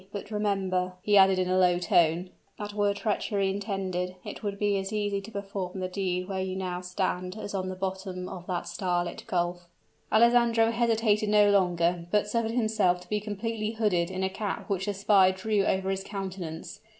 But remember," he added in a low tone, "that were treachery intended, it would be as easy to perform the deed where you now stand, as on the bosom of that star lit gulf." Alessandro hesitated no longer, but suffered himself to be completely hooded in a cap which the spy drew over his countenance.